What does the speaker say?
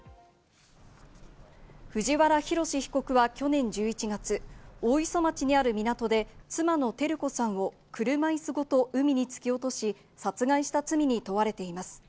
藤原宏被告は去年１１月、大磯町にある港で妻の照子さんを車椅子ごと海に突き落とし、殺害した罪に問われています。